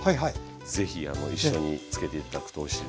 是非一緒につけて頂くとおいしいです。